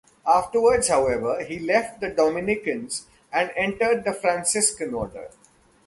Afterwards, however, he left the Dominicans and entered the Franciscan Order.